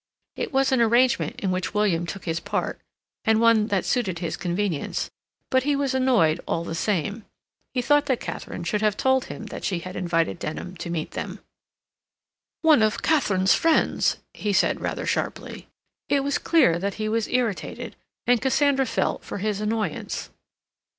It was an arrangement in which William took his part, and one that suited his convenience, but he was annoyed all the same. He thought that Katharine should have told him that she had invited Denham to meet them. "One of Katharine's friends," he said rather sharply. It was clear that he was irritated, and Cassandra felt for his annoyance.